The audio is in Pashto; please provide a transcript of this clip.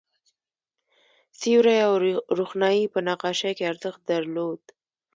سیوری او روښنايي په نقاشۍ کې ارزښت درلود.